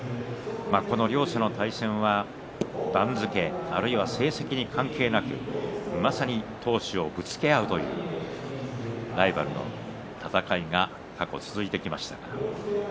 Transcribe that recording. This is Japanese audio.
両者の対戦は番付あるいは成績に関係なくまさに闘志をぶつけ合うというライバルの戦いが過去、続いてきました。